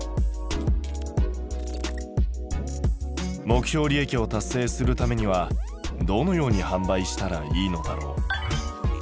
目標利益を達成するためにはどのように販売したらいいのだろう？